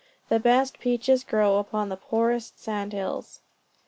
The best peaches grow upon the poorest sand hills.